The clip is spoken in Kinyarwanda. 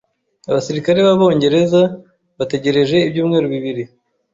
Abasirikare b'Abongereza bategereje ibyumweru bibiri.